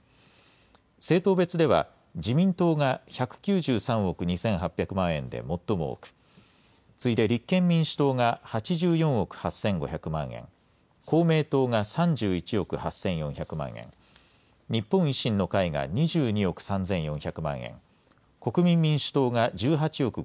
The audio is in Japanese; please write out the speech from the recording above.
政党別では、自民党が１９３億２８００万円で最も多く、次いで立憲民主党が８４億８５００万円、公明党が３１億８４００万円、日本維新の会が２２億３４００万円、国民民主党が１８億５０００万円、